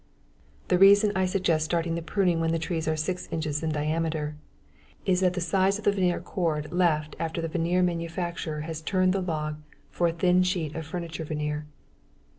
The reason I suggest starting the pruning when the trees are six inches in diameter, is that that is the size of the veneer core left after the veneer manufacturer has turned the log for the thin sheet of furniture veneer.